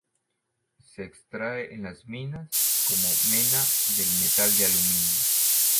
Se extrae en las minas como mena del metal de aluminio.